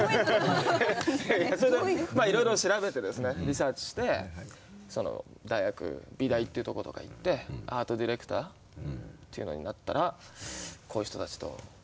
それでいろいろ調べてですねリサーチしてその大学美大っていうとことか行ってアートディレクターっていうのになったらこういう人たちとお会いできるかなと思って。